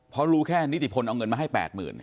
เพราะรู้แค่นิติพลเอาเงินมาให้๘๐๐๐